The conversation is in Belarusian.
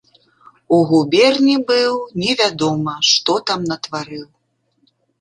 У губерні быў, невядома, што там натварыў.